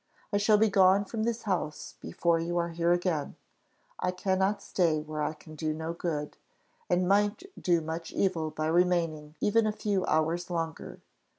I shall be gone from this house before you are here again; I cannot stay where I can do no good, and might do much evil by remaining even a few hours longer.